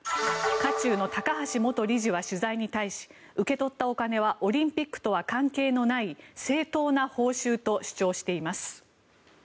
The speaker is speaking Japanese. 渦中の高橋元理事は取材に対し受け取ったお金はオリンピックとは関係のない正当な報酬と主張しています。